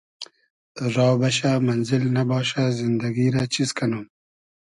را بئشۂ مئنزیل نئباشۂ زیندئگی رۂ چیز کئنوم